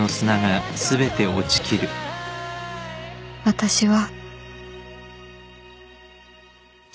私は